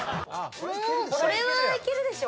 これはいけるでしょ。